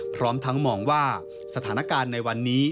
พร้อมทั้งมองว่าสถานการณ์ในวันนี้